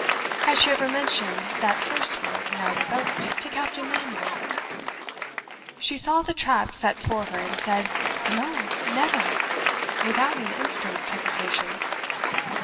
'Had she ever mentioned that first will, now revoked, to Captain Manuel?' She saw the trap set for her, and said, 'No, never!' without an instant's hesitation.